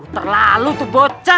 terlalu tuh bocah